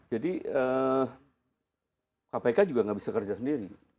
jadi kpk juga tidak bisa kerja sendiri